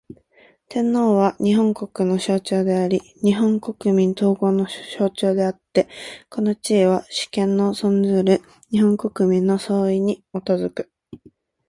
天皇は、日本国の象徴であり日本国民統合の象徴であつて、この地位は、主権の存する日本国民の総意に基く。